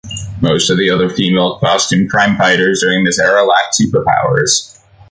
Most of the other female costumed crime-fighters during this era lacked superpowers.